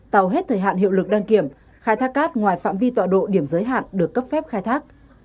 tàu hết thời hạn hiệu lực đăng kiểm khai thác cát ngoài phạm vi tọa độ điểm giới hạn được cấp phép khai thác